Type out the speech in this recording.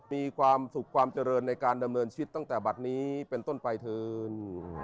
มีความสุขความเจริญในการดำเนินชีวิตตั้งแต่บัตรนี้เป็นต้นไปเถิน